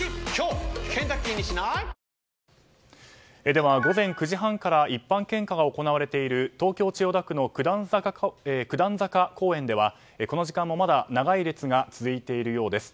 では午前９時半から一般献花が行われている東京・千代田区の九段坂公園ではこの時間もまだ長い列が続いているようです。